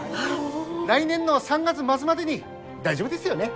来年の３月末までに大丈夫ですよね？